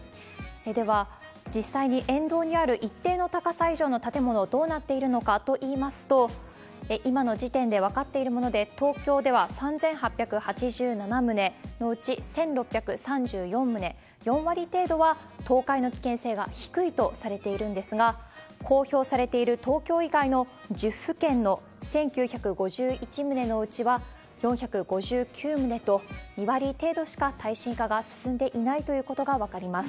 では、実際に沿道にある一定の高さ以上の建物、どうなっているのかといいますと、今の時点で分かっているもので、東京では３８８７棟のうち１６３４棟、４割程度は倒壊の危険性が低いとされているんですが、公表されている東京以外の１０府県の１９５１棟のうちは４５９棟と、２割程度しか耐震化が進んでいないということが分かります。